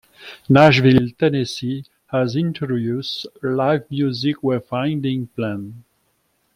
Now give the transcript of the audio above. Nashville, Tennessee has introduced a live music wayfinding plan.